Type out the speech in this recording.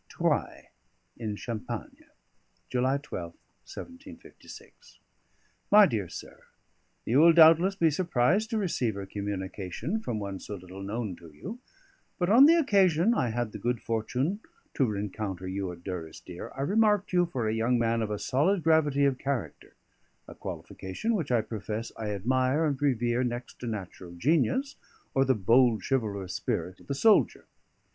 TROYES IN CHAMPAGNE, July 12, 1756. MY DEAR SIR, You will doubtless be surprised to receive a communication from one so little known to you; but on the occasion I had the good fortune to rencounter you at Durrisdeer, I remarked you for a young man of a solid gravity of character: a qualification which I profess I admire and revere next to natural genius or the bold chivalrous spirit of the soldier.